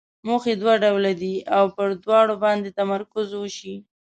موخې دوه ډوله دي او پر دواړو باید تمرکز وشي.